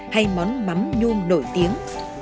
hay món mắm nhuông nổi tiếng